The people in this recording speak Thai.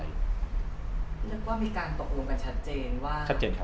เราก็มีการตกลงกันชัดเจนว่า